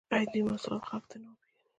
آیا دوی محصولات خلکو ته نه ورپېژني؟